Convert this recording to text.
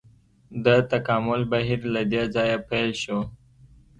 د تکامل بهیر له دې ځایه پیل شو.